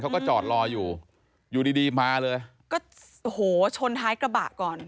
เขาก็จอดรออยู่อยู่ดีดีมาเลยก็โอ้โหชนท้ายกระบะก่อน